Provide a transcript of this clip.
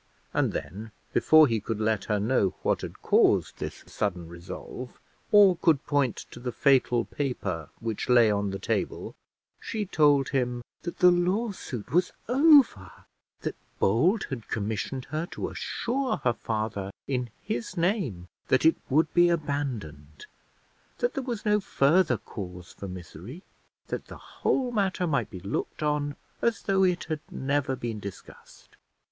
And then, before he could let her know what had caused this sudden resolve, or could point to the fatal paper which lay on the table, she told him that the lawsuit was over, that Bold had commissioned her to assure her father in his name that it would be abandoned, that there was no further cause for misery, that the whole matter might be looked on as though it had never been discussed.